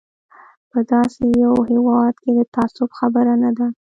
په داسې یو هېواد کې د تعجب خبره نه ده.